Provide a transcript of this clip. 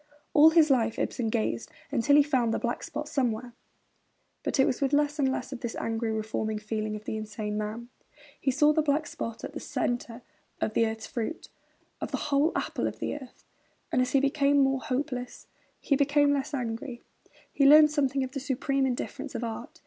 All his life Ibsen gazed until he found the black spot somewhere; but it was with less and less of this angry, reforming feeling of the insane man. He saw the black spot at the core of the earth's fruit, of the whole apple of the earth; and as he became more hopeless, he became less angry; he learned something of the supreme indifference of art.